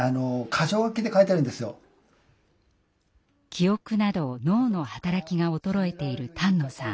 記憶など脳の働きが衰えている丹野さん。